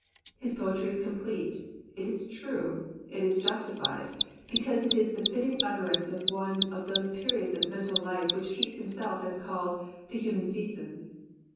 His po etry is complete, it is true, it is justified, because it is the fitting utterance of one of those periods of mental life which Keats himself has called "the human seasons."